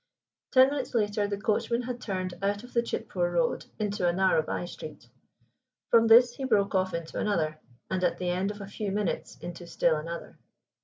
Ten minutes later the coachman had turned out of the Chitpore Road into a narrow by street. From this he broke off into another, and at the end of a few minutes into still another.